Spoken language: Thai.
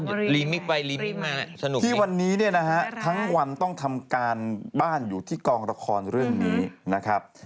อืมที่วันนี้เนี่ยนะฮะทั้งวันต้องทำการบ้านอยู่ที่กองละครเรื่องนี้นะครับ